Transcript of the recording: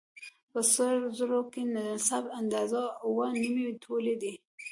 په سرو زرو کې د نصاب اندازه اووه نيمې تولې ده